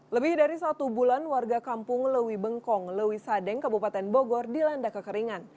lebih dari satu bulan warga kampung lewi bengkong lewi sadeng kabupaten bogor dilanda kekeringan